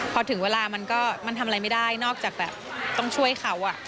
พอถึงเวลามันก็มันทำอะไรไม่ได้นอกจากแบบต้องช่วยเขา